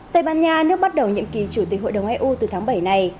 tây ban nha nước bắt đầu nhiệm kỳ chủ tịch hội đồng eu từ tháng bảy này